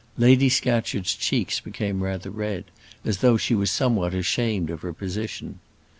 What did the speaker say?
Lady Scatcherd's cheeks became rather red, as though she was somewhat ashamed of her position.